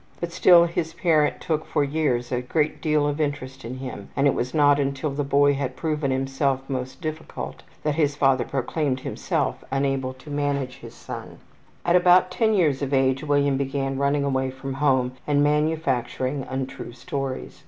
But still his parent took for years a great deal of interest in him and it was not until the boy had proven himself most difficult that his father proclaimed himself unable to manage his son. At about 10 years of age William began running away from home and manufacturing untrue stories.